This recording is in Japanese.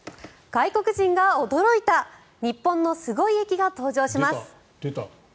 外国人が驚いた日本のすごい駅が登場します。